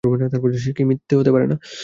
সে কি মিথ্যে হতে পারে?